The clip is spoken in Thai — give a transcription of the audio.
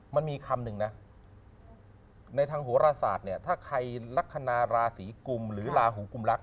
มันมีคำหนึ่งในทางโหระศาสน์ถ้าใครลักษณะราศิกรุมหรือราห์หูกลุมรัก